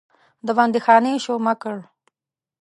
د بندیخانې شومه کړ.